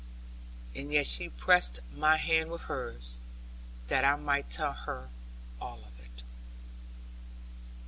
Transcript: And yet she pressed my hand with hers, that I might tell her all of it.